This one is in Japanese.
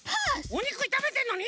おにくいためてんのに？